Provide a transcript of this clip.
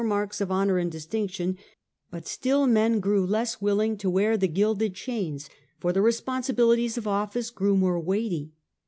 209 marks of honour and distinction : but still men grew less willing to wear the gilded chains, for the responsibilities of office grew more weighty.